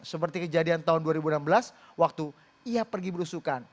seperti kejadian tahun dua ribu enam belas waktu ia pergi berusukan